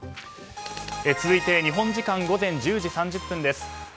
続いて日本時間午前１０時３０分です。